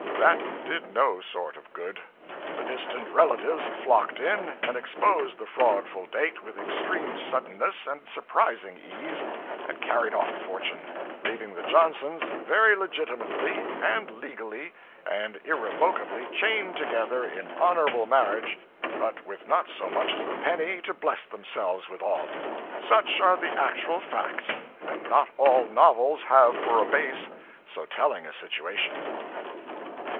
That did no sort of good. The distant relatives flocked in and exposed the fraudful date with extreme suddenness and surprising ease, and carried off the fortune, leaving the Johnsons very legitimately, and legally, and irrevocably chained together in honorable marriage, but with not so much as a penny to bless themselves withal. Such are the actual facts; and not all novels have for a base so telling a situation.